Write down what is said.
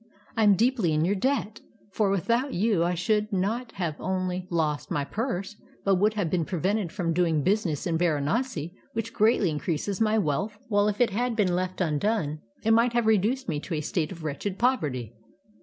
I am deeply in your debt, for without you I should not only have lost my purse, but would have been prevented from doing business in Baranasi which greatly increases my wealth, while if it had been left undone it might have reduced me to a state of wretched poverty.